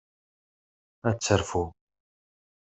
Ad terfu.